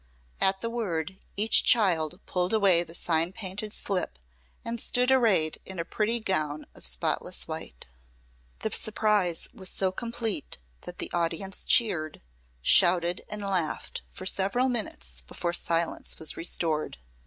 At the word each child pulled away the sign painted slip and stood arrayed in a pretty gown of spotless white. The surprise was so complete that the audience cheered, shouted and laughed for several minutes before silence was restored.